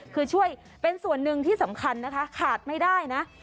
คือช่วยเป็นส่วนหนึ่งที่สำคัญนะคะขาดไม่ได้นะ